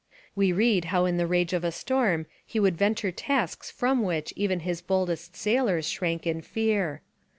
We read how in the rage of a storm he would venture tasks from which even his boldest sailors shrank in fear.